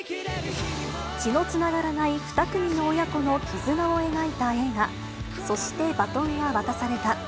血のつながらない２組の親子の絆を描いた映画、そして、バトンは渡された。